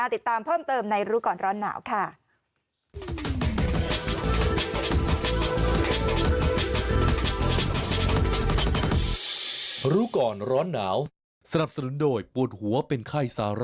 ติดตามเพิ่มเติมในรู้ก่อนร้อนหนาวค่ะ